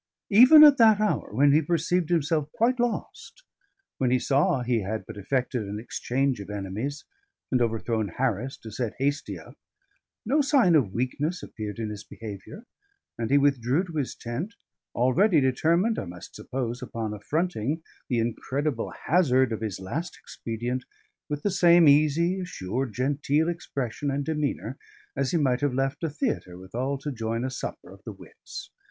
Even at that hour, when he perceived himself quite lost, when he saw he had but effected an exchange of enemies, and overthrown Harris to set Hastie up, no sign of weakness appeared in his behaviour, and he withdrew to his tent, already determined (I must suppose) upon affronting the incredible hazard of his last expedient, with the same easy, assured, genteel expression and demeanour as he might have left a theatre withal to join a supper of the wits.